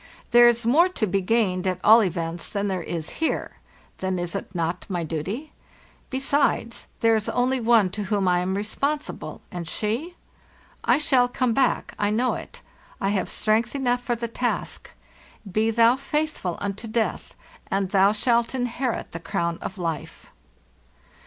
There is more to be gained, at all events, than there is here. Then is it not my duty? Besides, there is only one to whom I am responsible, and she ...? I shall come back, I know it. I have strength enough for the task. 'Be thou true unto death, and thou shalt inherit the crown of life.